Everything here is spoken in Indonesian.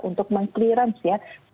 untuk menghilangkan obat